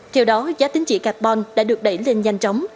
theo đó giá tính trị carbon đã được đẩy lên nhanh chóng